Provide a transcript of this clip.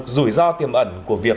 rủi ro tiềm ẩn của việc